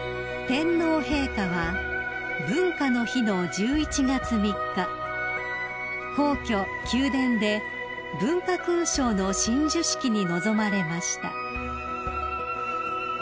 ［天皇陛下は文化の日の１１月３日皇居宮殿で文化勲章の親授式に臨まれました］